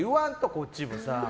こっちもさ。